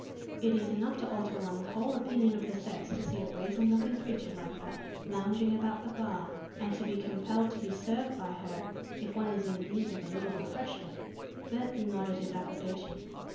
It is enough to alter one's whole opinion of the sex to see a brazen looking creature like that lounging about the bar, and to be compelled to be served by her if one is in need of a little refreshment." Burton nodded his approbation.